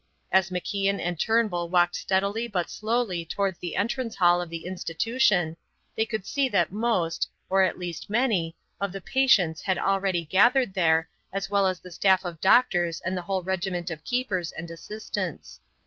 As MacIan and Turnbull walked steadily but slowly towards the entrance hall of the institution, they could see that most, or at least many, of the patients had already gathered there as well as the staff of doctors and the whole regiment of keepers and assistants.